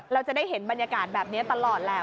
เราจะได้เห็นบรรยากาศแบบนี้ตลอดแหละ